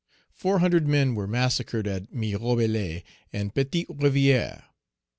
Four hundred men were massacred at Mirebalais and Petite Rivière.